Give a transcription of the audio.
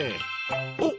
おっ！